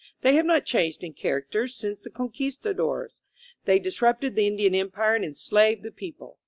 They have not changed in character since the Conqvistadores. They disrupted the Indian empire and enslaved the people.